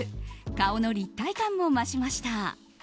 顔の立体感も増しました。